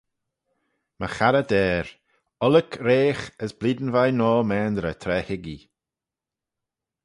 My charrey deyr, Ollick reagh as blein vie noa maynrey tra hig ee.